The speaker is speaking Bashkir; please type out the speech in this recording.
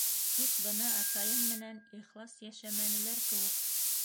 Тик бына атайым менән ихлас йәшәмәнеләр кеүек...